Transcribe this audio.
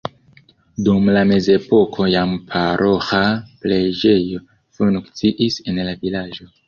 Dum la mezepoko jam paroĥa preĝejo funkciis en la vilaĝo.